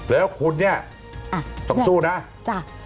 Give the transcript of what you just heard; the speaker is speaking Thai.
แล้วคุณเนี่ยต้องสู้นะจ้ะ